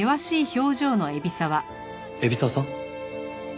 海老沢さん？